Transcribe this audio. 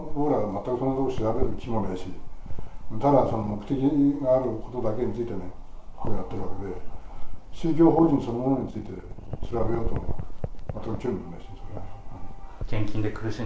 全くそんなことを調べる気もないし、ただそういう目的があることだけについてやっているだけで、宗教法人そのものについて、調べようとか、全く興味ないです。